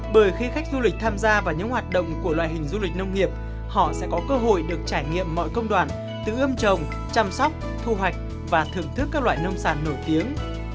bởi khi khách du lịch tham gia vào những hoạt động của loại hình du lịch nông nghiệp họ sẽ có cơ hội được trải nghiệm mọi công đoạn từ ươm trồng chăm sóc thu hoạch và thưởng thức các loại nông sản nổi tiếng